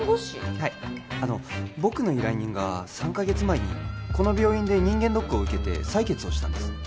はい僕の依頼人が３ヵ月前にこの病院で人間ドックを受けて採血をしたんです